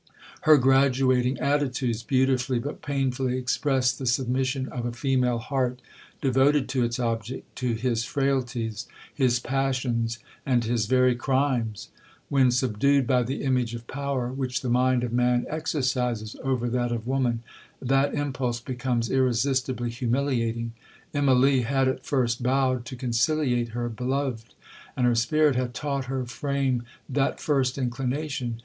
Her graduating attitudes beautifully, but painfully, expressed the submission of a female heart devoted to its object, to his frailties, his passions, and his very crimes. When subdued by the image of power, which the mind of man exercises over that of woman, that impulse becomes irresistibly humiliating. Immalee had at first bowed to conciliate her beloved, and her spirit had taught her frame that first inclination.